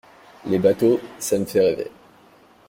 Les bateaux, ça me fait rêver.